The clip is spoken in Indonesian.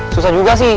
susah juga sih